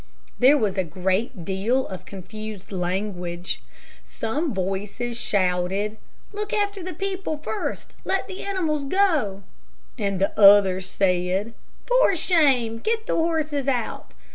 There was a great deal of confused language Some voices shouted, "Look after the people first Let the animals go." And others said, "For shame. Get the horses out."